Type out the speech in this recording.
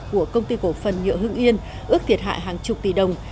của công ty cổ phần nhựa hưng yên ước thiệt hại hàng chục tỷ đồng